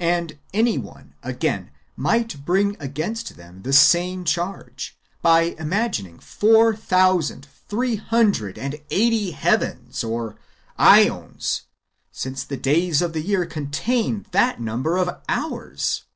And any one, again, might bring against / them the same charge, by imagining four thousand three hundred and eighty heavens, or ^ons, since the days of the year contain that number of hours.